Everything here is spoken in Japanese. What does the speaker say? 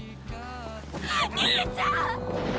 兄ちゃん！